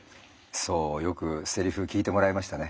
そうよくセリフ聞いてもらいましたね。